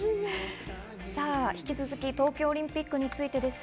引き続き、東京リンピックについてです。